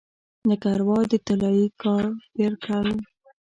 لکه اروا د طلايي کاپرګل